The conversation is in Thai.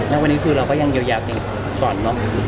แล้ววันนี้คือเราก็ยังเยียวยากจริงก่อนเนอะ